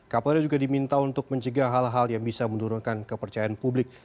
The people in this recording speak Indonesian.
kapolri juga diminta untuk mencegah hal hal yang bisa menurunkan kepercayaan publik